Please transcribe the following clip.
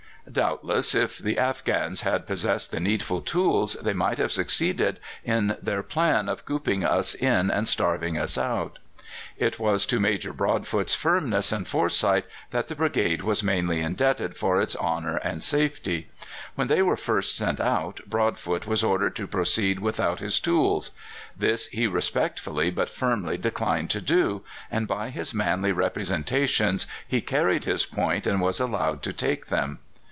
Doubtless if the Afghans had possessed the needful tools they might have succeeded in their plan of cooping us in and starving us out. It was to Major Broadfoot's firmness and foresight that the brigade was mainly indebted for its honour and safety. When they were first sent out, Broadfoot was ordered to proceed without his tools. This he respectfully but firmly declined to do, and by his manly representations he carried his point, and was allowed to take them.